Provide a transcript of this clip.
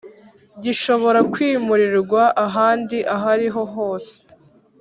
Gishobora kwimurirwa ahandi ahariho hose